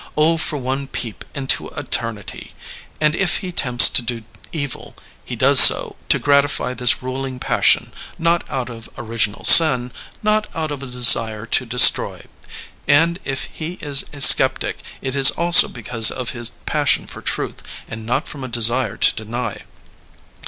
Oh, for one peep into eternity! And if he tempts to evil, he does so to gratify this ruling passion, not out of original sin, not out of a desire to destroy. And if he is a skeptic it is also because of his passion for truth, and not from a desire to deny.